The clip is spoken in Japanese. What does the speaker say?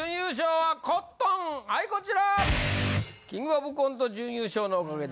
はいこちら。